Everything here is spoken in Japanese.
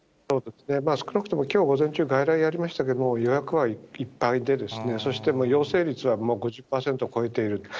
少なくとも、きょう午前中、外来やりましたけど、予約はいっぱいで、そして陽性率は５０％を超えている。